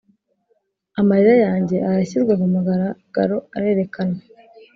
amarira yanjye arashyizwe kumugaragaro, arerekanwa.